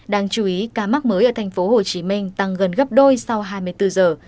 đáng chú ý ca mắc mới ở tp hcm tăng gần gấp đôi sau hai mươi bốn giờ